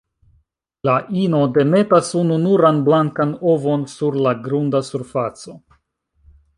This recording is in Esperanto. La ino demetas ununuran blankan ovon sur la grunda surfaco.